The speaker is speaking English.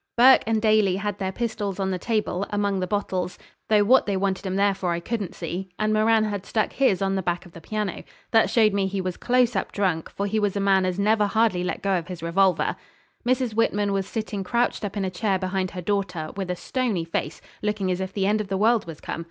Burke and Daly had their pistols on the table, among the bottles though what they wanted 'em there for I couldn't see and Moran had stuck his on the back of the piano. That showed me he was close up drunk, for he was a man as never hardly let go of his revolver. Mrs. Whitman was sitting crouched up in a chair behind her daughter, with a stony face, looking as if the end of the world was come.